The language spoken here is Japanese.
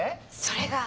それが。